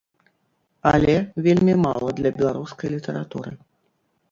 Але вельмі мала для беларускай літаратуры.